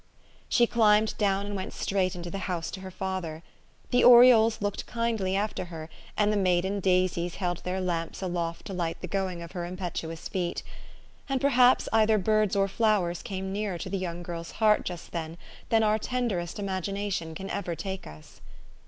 She climbed down, and went straight into the house to her father. The orioles looked kindly after her ; and the maiden daisies held then: lamps aloft to light the going of her impetuous feet ; and perhaps either birds or flowers came nearer to the young girl's heart just then than our tenderest imagination can ever take us.